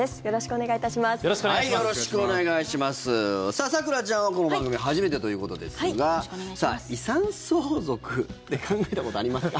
さあ、咲楽ちゃんはこの番組初めてということですが遺産相続って考えたことありますか？